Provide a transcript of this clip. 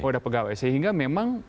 wadah pegawai sehingga memang